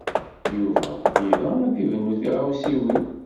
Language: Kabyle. Yuba ira ad ibnu tiɣawsiwin.